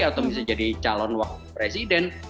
atau bisa jadi calon wakil presiden